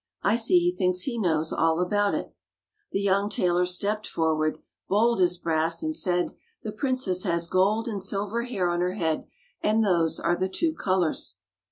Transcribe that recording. I see he thinks he knows all about it." The young tailor stepped forward, bold as brass, and said, "The princess has gold and silver hair on her head, and those are the two colors."